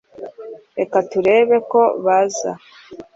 reka turebe ko baza